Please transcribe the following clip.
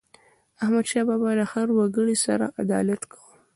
احمدشاه بابا به د هر وګړي سره عدالت کاوه.